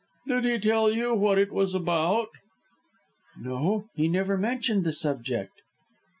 "Did he tell you what it was about?" "No. He never mentioned the subject."